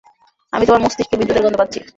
আমি তোমার মস্তিষ্কে বিদ্যুতের গন্ধ পাচ্ছি।